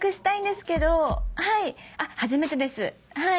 初めてですはい。